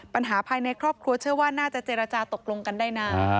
ปัญหาภายในครอบครัวเชื่อว่าน่าจะเจรจาตกลงกันได้นาน